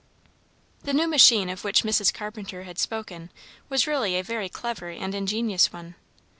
The "new machine" of which Mrs. Carpenter had spoken was really a very clever and ingenious one.